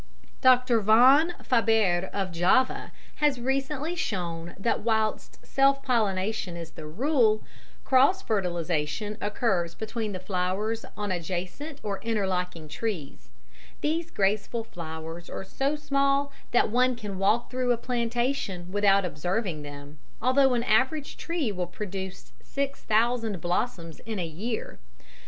Dr. von Faber of Java has recently shown that whilst self pollination is the rule, cross fertilisation occurs between the flowers on adjacent or interlocking trees. These graceful flowers are so small that one can walk through a plantation without observing them, although an average tree will produce six thousand blossoms in a year.